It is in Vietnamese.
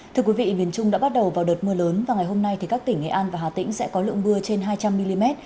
thưa quý vị miền trung đã bắt đầu vào đợt mưa lớn và ngày hôm nay các tỉnh nghệ an và hà tĩnh sẽ có lượng mưa trên hai trăm linh mm